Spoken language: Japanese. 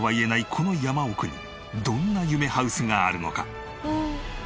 この山奥にどんな夢ハウスがあるのか？